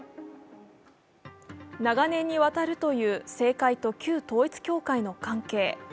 長年に渡るという正解と旧統一教会の関係。